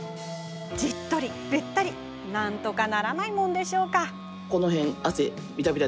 じっとり、べったり、なんとかならないもんでしょうか？